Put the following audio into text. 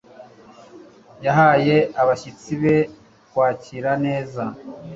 Yahaye abashyitsi be kwakira neza.